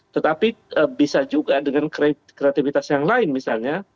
tetapi bisa juga dengan kreativitas yang lain misalnya